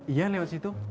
iya lewat situ